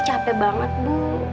capek banget bu